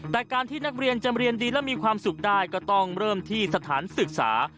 แต่การที่นักเรียนจะเรียนดีและมีความสุขได้ก็ต้องเริ่มที่สถานศึกษา